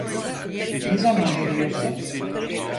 Ne zaman geliyorsun?